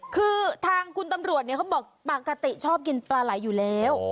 คือทางคุณตำรวจเขาบอกปกติชอบกินปลาไหลอยู่แล้ว